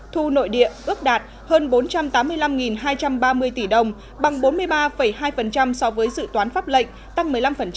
thu nội địa ước đạt hơn bốn trăm tám mươi năm hai trăm ba mươi tỷ đồng bằng bốn mươi ba hai so với dự toán pháp lệnh tăng một mươi năm